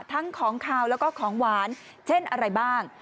ทั้งของขาวแล้วก็ของหวานเช่นอะไรบ้าง